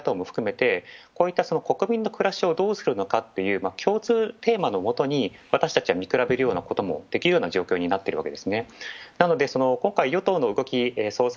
ある意味、与党も野党も含めてこういった国民の暮らしをどうするのかという共通テーマの下に私たちは見比べるようなこともできるような状況になってるんです。